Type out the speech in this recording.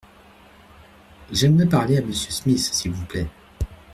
J’aimerais parler à monsieur Smith s’il vous plait.